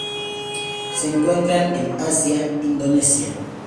Se encuentran en Asia: Indonesia.